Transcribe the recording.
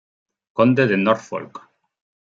Conde de Norfolk.